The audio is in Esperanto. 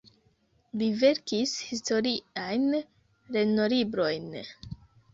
Li verkis historiajn lernolibrojn.